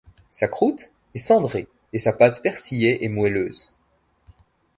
Sa croûte est cendrée et sa pâte persillée et moelleuse.